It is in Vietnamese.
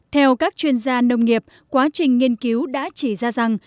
theo các chuyên gia nông nghiệp quá trình nghiên cứu đã chỉ ra rằng